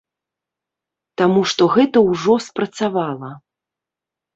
Таму што гэта ўжо спрацавала.